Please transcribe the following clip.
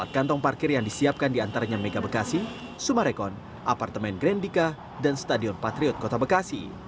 empat kantong parkir yang disiapkan diantaranya mega bekasi sumarekon apartemen grandika dan stadion patriot kota bekasi